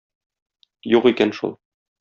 Юк икән шул.